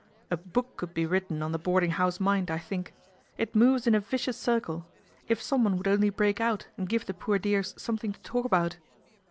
A book could be written on the boarding house mind, I think. It moves in a vicious circle. If someone would only break out and give the poor dears something to talk about."